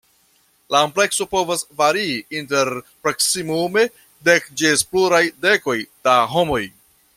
La amplekso povas varii inter proksimume dek ĝis pluraj dekoj da homoj.